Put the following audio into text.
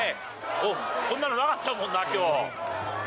おっ、こんなのなかったもんな、きょうは。